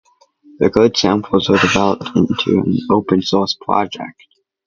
The code samples were developed into an open source project.